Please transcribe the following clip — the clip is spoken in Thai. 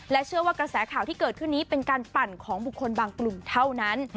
เชื่อว่ากระแสข่าวที่เกิดขึ้นนี้เป็นการปั่นของบุคคลบางกลุ่มเท่านั้น